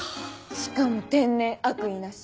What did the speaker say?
しかも天然悪意なし。